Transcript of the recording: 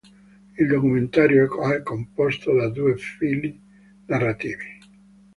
Il documentario è composto da due fili narrativi.